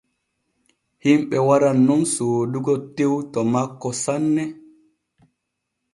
Himɓe waran nun soodugo tew to makko sanne.